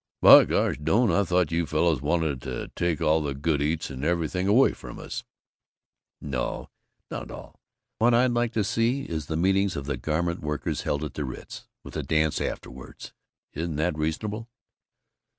"But gosh, Doane, I thought you fellows wanted to take all the good eats and everything away from us." "No. Not at all. What I'd like to see is the meetings of the Garment Workers held at the Ritz, with a dance afterward. Isn't that reasonable?"